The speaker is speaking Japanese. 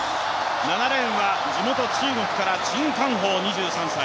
７レーンは地元中国から陳冠鋒２３歳。